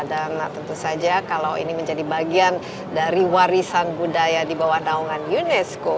dan tentu saja kalau ini menjadi bagian dari warisan budaya di bawah daungan unesco